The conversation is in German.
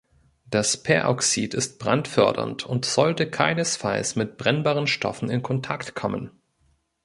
Das Peroxid ist brandfördernd und sollte keinesfalls mit brennbaren Stoffen in Kontakt kommen.